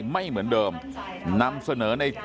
การสอบส่วนแล้วนะ